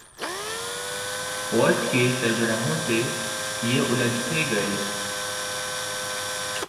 فوج کے سربراہوں سے یہ الجھتے گئے۔